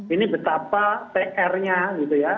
ini betapa pr nya gitu ya